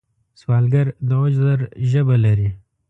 سوالګر د عذر ژبه لري